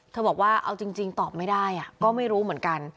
บอกว่าเอาจริงตอบไม่ได้ก็ไม่รู้เหมือนกัน